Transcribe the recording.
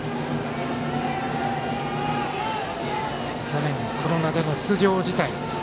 去年、コロナでの出場辞退。